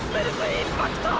インパクトォ！！